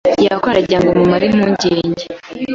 yakora ndagira ngo mamare impungenge